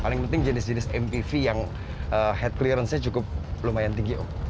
paling penting jenis jenis mpv yang head clearance nya cukup lumayan tinggi om